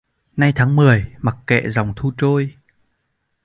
Nay tháng mười, mặc kệ dòng thu trôi